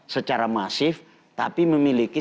secara masif tapi memiliki